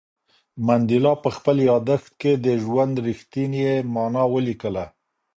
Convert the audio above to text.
منډېلا په خپل یادښت کې د ژوند رښتینې مانا ولیکله.